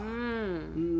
うん。